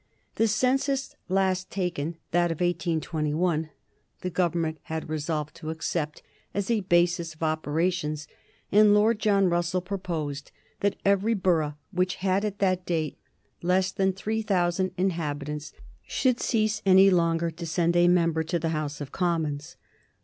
The Census last taken, that of 1821, the Government had resolved to accept as a basis of operations, and Lord John Russell proposed that every borough which, at that date, had less than 3000 inhabitants should cease any longer to send a member to the House of Commons.